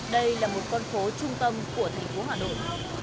đây là một con phố trung tâm của thành phố hà nội